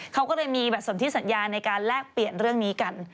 เขาก็เลยมีแบบสนที่สัญญาในการแลกเปลี่ยนเรื่องนี้กัน